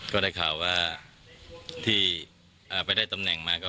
ก็ได้ข่าวว่าที่ไปได้ตำแหน่งมา